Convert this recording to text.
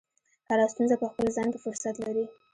هره ستونزه په خپل ځان کې فرصت لري.